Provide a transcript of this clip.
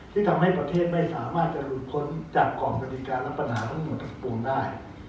ที่ทำให้ประเทศไม่สามารถจะหลุดพ้นจากกรอบกฎิกาและปัญหาทั้งหมดทั้งปวงได้